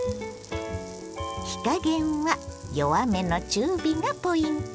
火加減は弱めの中火がポイント。